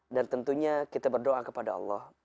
dan tentunya kita berdoa kepada allah